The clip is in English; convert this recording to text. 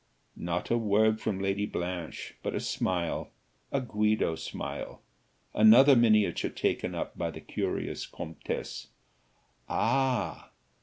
Not a word from Lady Blanche, but a smile, a Guido smile. Another miniature taken up by the curious comtesse. "Ah!